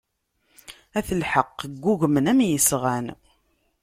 At lḥeqq ggugmen am yesɣan.